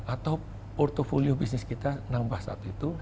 atau portfolio bisnis kita nambah saat itu